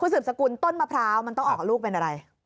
สืบสกุลต้นมะพร้าวมันต้องออกลูกเป็นอะไร